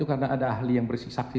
karena ahli yang bersiksa